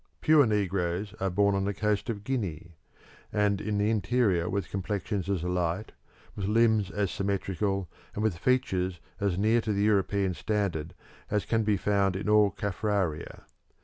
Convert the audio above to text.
Pure negroes are born on the coast of Guinea and in the interior with complexions as light, with limbs as symmetrical, and with features as near to the European standard as can be found in all Caffraria.